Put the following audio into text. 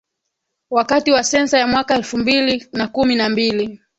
wakati wa sensa ya mwaka elfu mbili na kumi na mbili